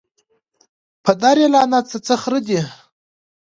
پدر یې لعنت سه څه خره دي